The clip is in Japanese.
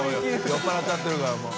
酔っぱらっちゃてるからもう。